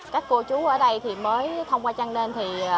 các cô chú ở đây mới thông qua chanen